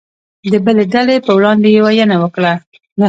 د بلې ډلې په وړاندې يې وينه وکړه